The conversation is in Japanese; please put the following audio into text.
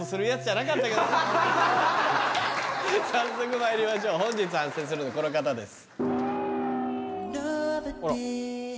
早速まいりましょう本日反省するのはこの方です。